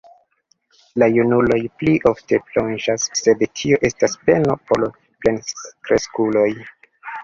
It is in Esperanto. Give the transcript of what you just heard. La junuloj pli ofte plonĝas, sed tio estas peno por plenkreskuloj.